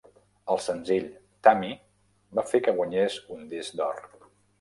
El senzill "Tammy" va fer que guanyés un disc d'or.